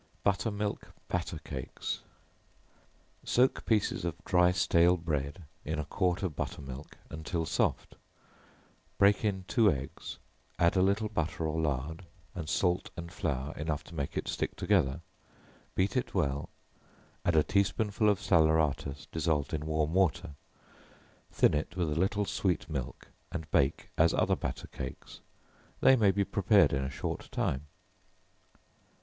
Butter milk Batter Cakes. Soak pieces of dry stale bread in a quart of butter milk, until soft, break in two eggs, add a little butter or lard, and salt and flour enough to make it stick together, beat it well, add a tea spoonful of salaeratus, dissolved in warm water; thin it with a little sweet milk, and bake as other batter cakes. They may be prepared in a short time.